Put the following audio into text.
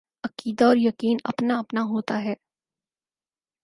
عقیدہ اور یقین اپنا اپنا ہوتا ہے۔